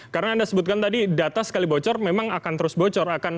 karena anda sebutkan tadi data sekali bocor memang akan terus bocor